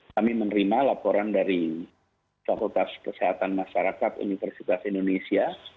kami menerima laporan dari fakultas kesehatan masyarakat universitas indonesia